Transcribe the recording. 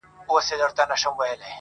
عجايب يې دي رنگونه د ټوكرانو؛